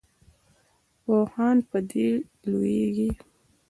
پوهان په دې لویږي.